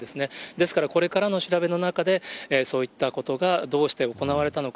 ですからこれからの調べの中で、そういったことがどうして行われたのか。